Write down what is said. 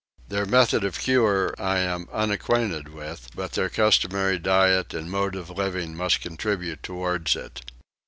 Their method of cure I am unacquainted with; but their customary diet and mode of living must contribute towards it.